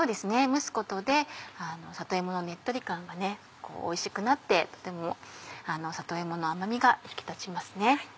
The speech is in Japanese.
蒸すことで里芋のねっとり感がおいしくなってとても里芋の甘みが引き立ちますね。